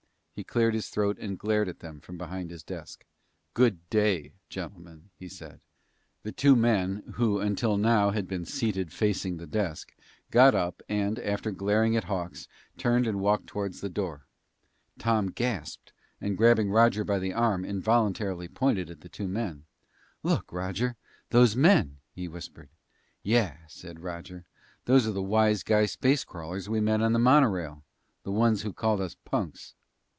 He cleared his throat and glared at them from behind his desk. "Good day, gentlemen!" he said. [Illustration: Hawks stood up and eyed the two men coldly] The two men, who until now had been seated facing the desk, got up, and after glaring at Hawks, turned and walked toward the door. Tom gasped, and grabbing Roger by the arm, involuntarily pointed at the two men. "Look, Roger those men " he whispered. "Yeah," said Roger. "Those are the wise guy space crawlers we met on the monorail, the ones who called us punks!"